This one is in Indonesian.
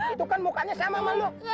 itu kan mukanya sama sama lu